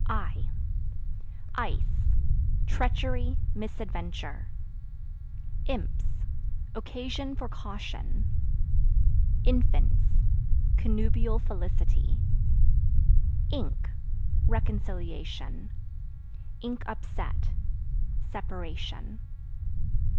I Ice Treachery, misadventure. Imps Occasion for caution. Infants Connubial felicity. Ink Reconciliation; (upset) separation.